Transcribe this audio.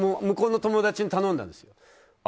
向こうの友達に頼んだんです。